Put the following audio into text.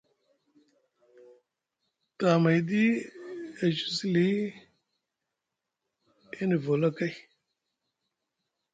Tamayɗi e cusi li e nivi wala kay.